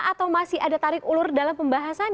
atau masih ada tarik ulur dalam pembahasan